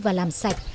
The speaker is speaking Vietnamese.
và làm sạch